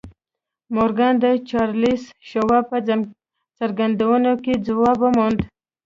مورګان د چارلیس شواب په څرګندونو کې ځواب وموند